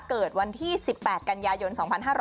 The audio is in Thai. เกิดวันที่๑๘กันยายน๒๕๕๙